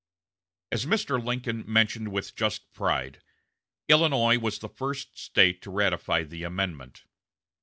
As Mr. Lincoln mentioned with just pride, Illinois was the first State to ratify the amendment.